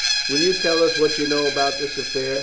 "Will you tell us what you know about this affair?"